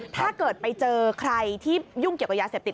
ถ้าเกิดไปเจอใครที่ยุ่งเกี่ยวกับยาเสพติด